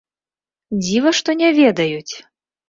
Дзіва што не ведаюць!